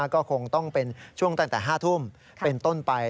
ก็คงต้องเป็นช่วงตั้งแต่๕ทุ่มเป็นต้นไป